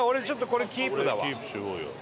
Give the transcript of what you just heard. これキープしようよ。